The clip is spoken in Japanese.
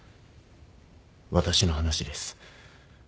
私の話です。